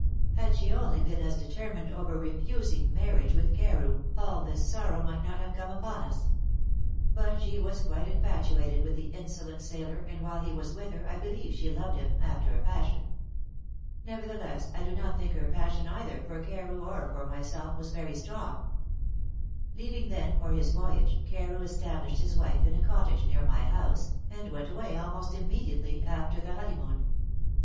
had she only been as determined over refusing marriage with Carew, all this sorrow might not have come upon us. But she was quite infatuated with the insolent sailor, and while he was with her I believe she loved him after a fashion. Nevertheless, I do not think her passion either for Carew or for myself was very strong. Leaving then for his voyage, Carew established his wife in a cottage near my house, and went away almost immediately after the honeymoon.